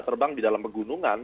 terbang di dalam pegunungan